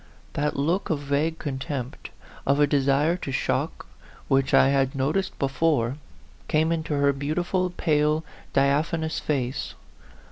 That look of vague contempt,* of a desire to shock, which I had noticed before, came into her beautiful, pale, diaphanous face.